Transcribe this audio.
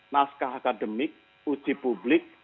naskah akademik uji publik